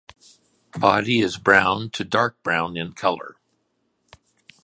Body is brown to dark brown in color.